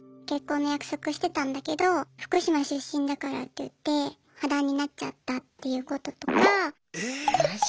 結婚の約束してたんだけど福島出身だからっていって破談になっちゃったっていうこととか。